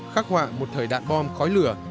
khắc họa một thời đạn bom khói lửa